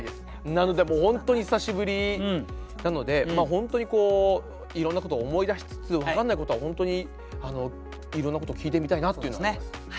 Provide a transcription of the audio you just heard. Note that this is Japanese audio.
なのでもう本当に久しぶりなので本当にいろんなことを思い出しつつ分かんないことは本当にいろんなこと聞いてみたいなっていうのはあります。